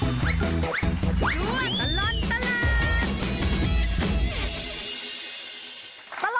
ช่วยตลอดตลาด